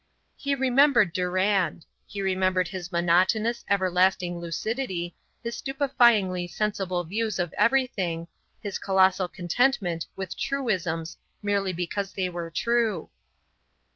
He remembered Durand; he remembered his monotonous, everlasting lucidity, his stupefyingly sensible views of everything, his colossal contentment with truisms merely because they were true.